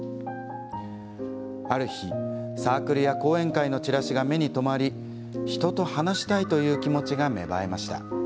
ある日、サークルや講演会のチラシが目に留まり人と話したいという気持ちが芽生えました。